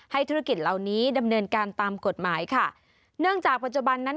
ธุรกิจเหล่านี้ดำเนินการตามกฎหมายค่ะเนื่องจากปัจจุบันนั้น